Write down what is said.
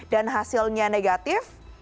dan hasilnya negatif